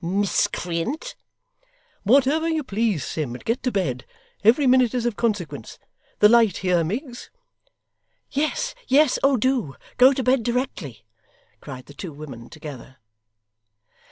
Miscreant!' 'Whatever you please, Sim, but get to bed. Every minute is of consequence. The light here, Miggs!' 'Yes yes, oh do! Go to bed directly,' cried the two women together.